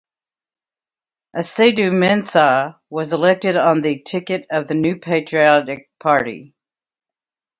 Asiedu Mensah was elected on the ticket of the New Patriotic Party.